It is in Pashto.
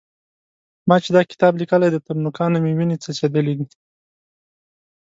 ما چې دا کتاب لیکلی دی؛ تر نوکانو مې وينې څڅېدلې دي.